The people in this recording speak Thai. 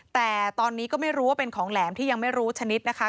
แต่ตอนนี้ก็ไม่รู้ว่าเป็นของแหลมที่ยังไม่รู้ชนิดนะคะ